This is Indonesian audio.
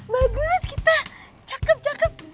bagus kita cakep cakep